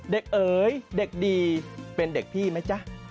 เอ๋ยเด็กดีเป็นเด็กพี่ไหมจ๊ะ